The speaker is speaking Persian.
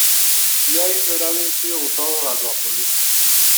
بیایید برویم توی اتاق غذاخوری.